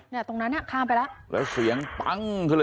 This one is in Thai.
ตรงนั้นน่ะข้ามไปแล้วแล้วเสียงปั้งขึ้นเลย